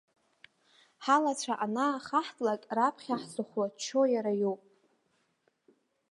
Ҳалацәа анаахаҳтлак раԥхьа ҳзыхәлаччо иара иоуп!